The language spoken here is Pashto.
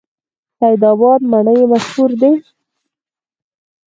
سید اباد مڼې مشهورې دي؟